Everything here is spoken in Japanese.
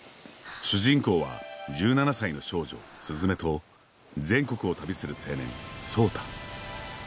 主人公は１７歳の少女・鈴芽と全国を旅する青年・草太。